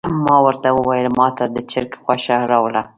ما ورته وویل ماته د چرګ غوښه راوړه.